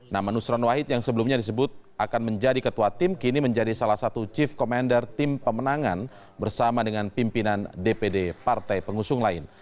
nama nusron wahid yang sebelumnya disebut akan menjadi ketua tim kini menjadi salah satu chief commander tim pemenangan bersama dengan pimpinan dpd partai pengusung lain